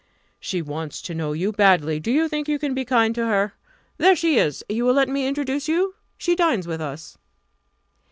She wants to know you, badly. Do you think you can be kind to her? There she is you will let me introduce you? She dines with us."